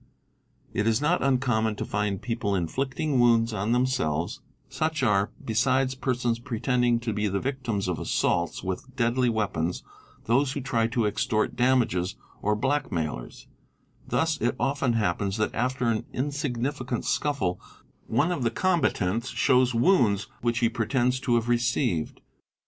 It is not uncommon to find people inflicting wounds on themselves® ; such are, besides persons pretending to be the victims of assaults with deadly weapons, those who try to extort damages or blackmailers; thus it often happens that after an insignificant scuffle, one of the combatants er # 5 j ha PRECONCHIVED THEORIES 19 shows wounds which he pretends to have received.